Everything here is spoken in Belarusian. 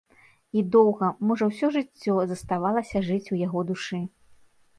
І доўга, можа, усё жыццё, заставалася жыць у яго душы.